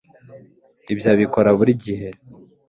Ibyo abikora buri gihe